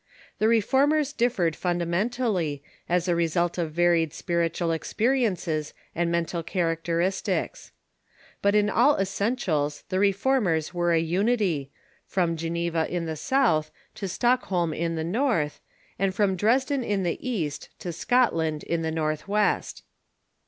The Reformers differed fun damentally, as a result of varied spiritual experiences and men tal characteristics. But in all essentials the Reformers were a unity, from Geneva in the south to Stockholm in the north, and from Dresden in the east to Scotland in the northwest.